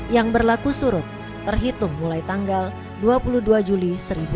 yang berlaku surut terhitung mulai tanggal dua puluh dua juli seribu sembilan ratus